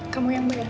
kamu yang beli